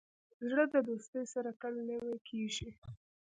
زړه د دوستۍ سره تل نوی کېږي.